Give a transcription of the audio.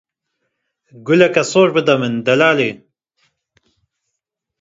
guleke sor bide min delalê.